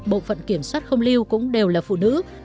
bộ phận kiểm soát không lưu cũng đều là phụ nữ